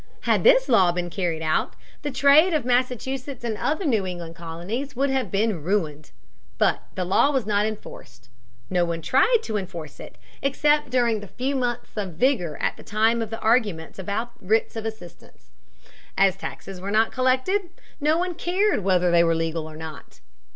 Had this law been carried out, the trade of Massachusetts and other New England colonies would have been ruined. But the law was not enforced. No one tried to enforce it, except during the few months of vigor at the time of the arguments about writs of assistance. As the taxes were not collected, no one cared whether they were legal or not.